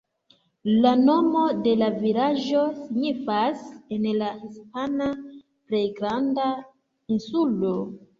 La nomo de la vilaĝo signifas en la hispana "Plej granda insulo".